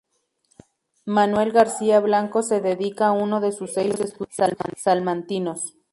Manuel García Blanco le dedica uno de sus "Seis estudios salmantinos".